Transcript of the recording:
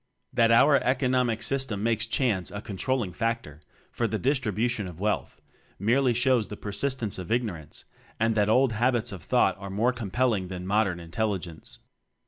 That our "Economic System" makes "chance" a controlling factor for the distribution of wealth, merely shows the persistence of ignor ance and that old habits of thought are more compelling than modern in telligence.